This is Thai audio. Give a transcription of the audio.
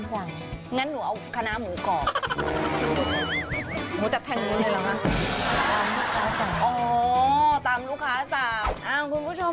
คุณผู้ชมหลังจากที่